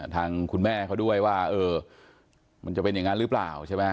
ทางคุณแม่เขาด้วยว่าเออมันจะเป็นอย่างนั้นหรือเปล่าใช่ไหม